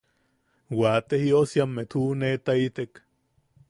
Waate jiosiammet juʼunetaitek.